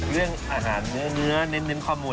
เรื่องอาหารเนื้อเน้นข้อมูล